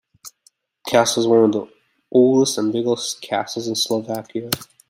The castle is one of the oldest and biggest castles in Slovakia.